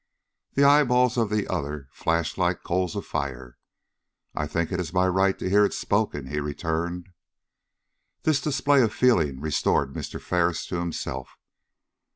The eyeballs of the other flashed like coals of fire. "I think it is my right to hear it spoken," he returned. This display of feeling restored Mr. Ferris to himself.